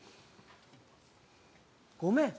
ごめん？